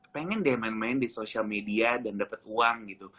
pengen deh main main di sosial media dan dapat uang gitu